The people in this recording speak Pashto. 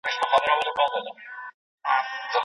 د کلتوري اړیکو پراختیا د ولسونو نژديوالی زیاتوي.